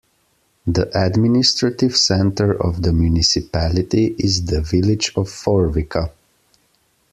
The administrative centre of the municipality is the village of Forvika.